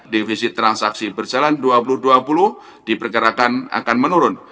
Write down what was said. defisit transaksi berjalan dua ribu dua puluh diperkirakan akan menurun